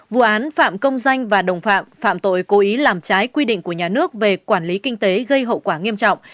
vụ án phạm công danh và đồng phạm phạm tội cố ý làm trái quy định của nhà nước về quản lý kinh tế gây hậu quả nghiêm trọng